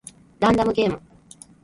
ランダムゲーム